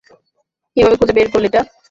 কীভাবে খুঁজে বের করলে এটা?